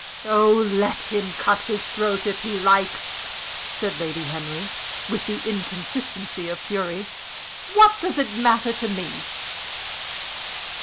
"Oh, let him cut his throat if he likes!" said Lady Henry, with the inconsistency of fury. "What does it matter to me?"